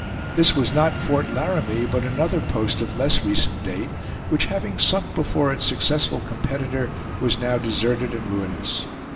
This was not Fort Laramie, but another post of less recent date, which having sunk before its successful competitor was now deserted and ruinous.